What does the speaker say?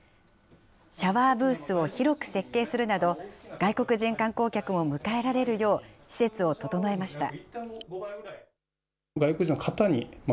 シャワーブースを広く設計するなど、外国人観光客も迎えられるよう、施設を整えました。